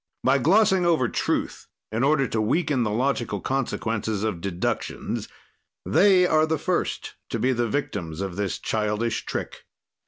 By glossing over truth in order to weaken the logical consequences of deductions they are the first to be the victims of this childish trick.